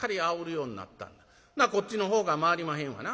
ほなこっちのほうが回りまへんわな。